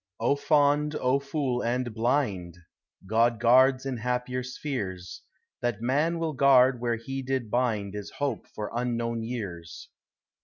O fond, O fool, and blind, God guards in happier spheres; That man will guard where he did bind Is hope for unknown years.